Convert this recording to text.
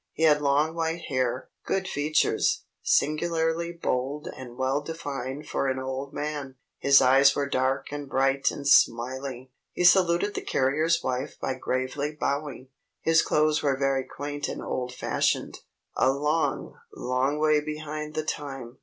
He had long white hair, good features, singularly bold and well defined for an old man. His eyes were dark and bright and smiling. He saluted the carrier's wife by gravely bowing. His clothes were very quaint and old fashioned, a long, long way behind the time.